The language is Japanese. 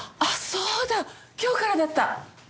そうだ今日からだった。